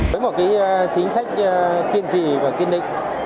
với một chính sách kiên trì và kiên định